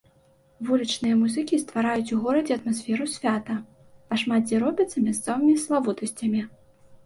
Вулічныя музыкі ствараюць у горадзе атмасферу свята, а шмат дзе робяцца мясцовымі славутасцямі.